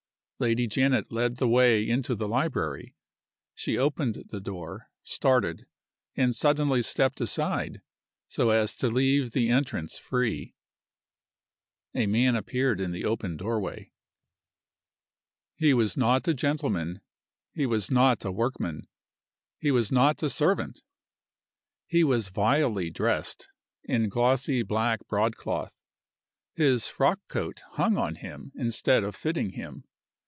Lady Janet led the way into the library. She opened the door started and suddenly stepped aside, so as to leave the entrance free. A man appeared in the open doorway. He was not a gentleman; he was not a workman; he was not a servant. He was vilely dressed, in glossy black broadcloth. His frockcoat hung on him instead of fitting him.